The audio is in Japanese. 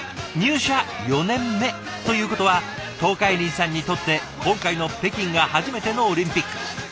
入社４年目ということは東海林さんにとって今回の北京が初めてのオリンピック。